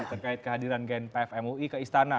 terkait kehadiran gnpf mui ke istana